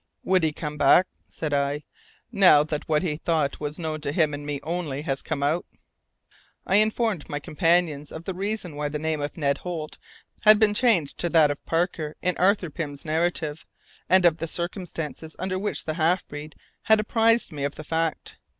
"Would he come back," said I, "now that what he thought was known to him and me only has come out?" I informed my companions of the reason why the name of Ned Holt had been changed to that of Parker in Arthur Pym's narrative, and of the circumstances under which the half breed had apprised me of the fact.